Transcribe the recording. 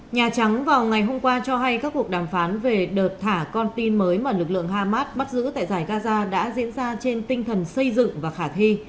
nhà trắng vào ngày hôm qua cho hay các cuộc đàm phán về đợt thả con tin mới mà lực lượng hamas bắt giữ tại giải gaza đã diễn ra trên tinh thần xây dựng và khả thi